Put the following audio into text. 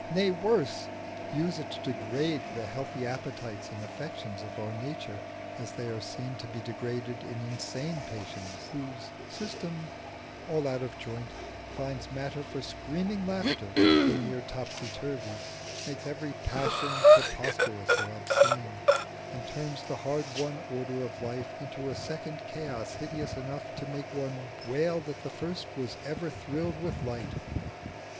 nay, worse use it to degrade the healthy appetites and affections of our nature as they are seen to be degraded in insane patients whose system, all out of joint, finds matter for screaming laughter in mere topsy turvy, makes every passion preposterous or obscene, and turns the hard won order of life into a second chaos hideous enough to make one wail that the first was ever thrilled with light?